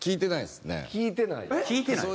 「聞いてない」？